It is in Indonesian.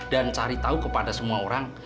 dan cari tahu kepada semua orang